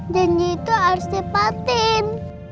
janji itu harus ditepatin